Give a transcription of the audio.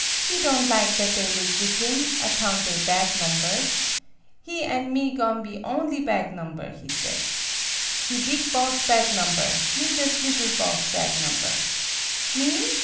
He don' lig that they live with him, account they bag nombers. He an' me go'n' be only bag nomber, he say. He big boss bag nom ber, me jus' liddle boss bag nomber. Me